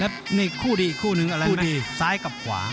แล้วนี่คู่ดีคู่นึงอะไรนะซ้ายกับขวา